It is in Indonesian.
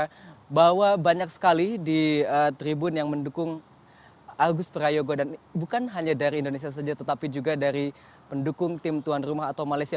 kita bahwa banyak sekali di tribun yang mendukung agus prayogo dan bukan hanya dari indonesia saja tetapi juga dari pendukung tim tuan rumah atau malaysia